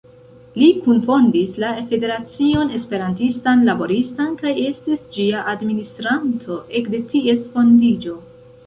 Li kunfondis la Federacion Esperantistan Laboristan kaj estis ĝia administranto ekde ties fondiĝo.